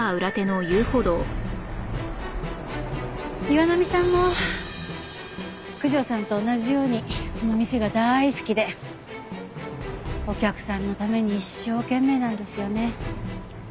岩並さんも九条さんと同じようにこの店が大好きでお客さんのために一生懸命なんですよね。